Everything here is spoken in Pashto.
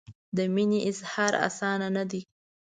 د مینې اظهار اسانه نه دی.